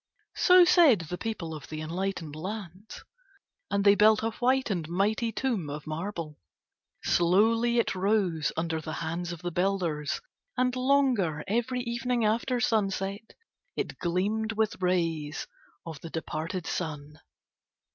So said the people of the enlightened lands. And they built a white and mighty tomb of marble. Slowly it rose under the hands of the builders and longer every evening after sunset it gleamed with rays of the departed sun.